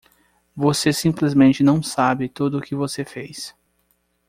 Você simplesmente não sabe tudo o que você fez.